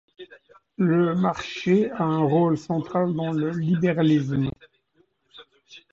Le marché a un rôle central dans le libéralisme.